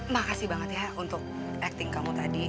makasih banget ya untuk acting kamu tadi